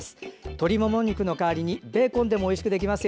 鶏もも肉の代わりにベーコンでもおいしくいただけます。